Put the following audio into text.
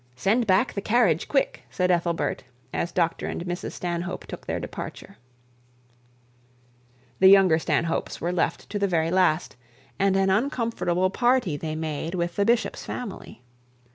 'Send back the carriage quick,' said Ethelbert, as Dr and Mrs Stanhope took their departure. The younger Stanhopes were left to the very last, and an uncomfortable party they made with the bishop's family.